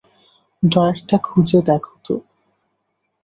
ড্রয়ারটা খুঁজে দেখ তো।